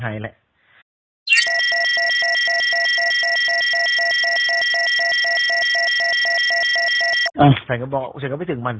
อ้าวหลายคนก็บอกว่าจนก็ไม่ถึงมัน